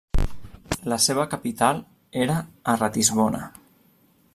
La seva capital era a Ratisbona.